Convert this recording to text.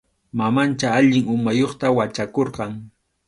Mamanchá allin umayuqta wachakurqan.